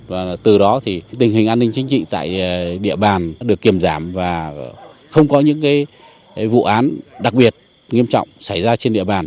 và từ đó thì tình hình an ninh chính trị tại địa bàn được kiểm giảm và không có những vụ án đặc biệt nghiêm trọng xảy ra trên địa bàn